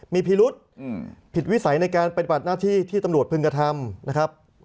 มีพิรุษผิดวิสัยในการปฏิบัติหน้าที่ที่ตำรวจพึงกระทำนะครับ